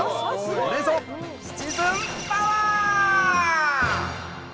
これぞ、シチズンパワー！